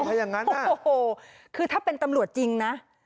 ถ้าอย่างนั้นโอ้โหคือถ้าเป็นตำรวจจริงนะ